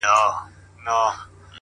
ولي پردۍ مینې ته لېږو د جهاني غزل،